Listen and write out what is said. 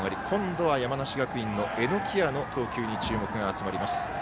今度は山梨学院の榎谷の投球に注目が集まります。